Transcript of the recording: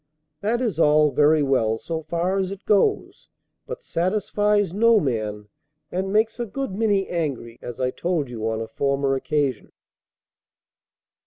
That is all very well so far as it goes, but satisfies no man, and makes a good many angry, as I told you on a former occasion.